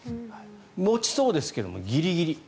持ちそうですけどギリギリ。